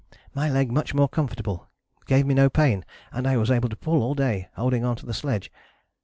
"My leg much more comfortable, gave me no pain, and I was able to pull all day, holding on to the sledge.